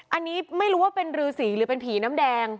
อันนี้ไม่รู้ว่าเป็นรือสีหรือเป็นผีน้ำแดง